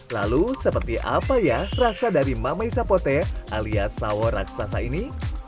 lalu seperti apa ya rasa dari mamei sapote alias sawo raksasa ini